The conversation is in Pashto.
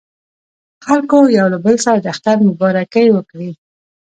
خلکو یو له بل سره د اختر مبارکۍ وکړې.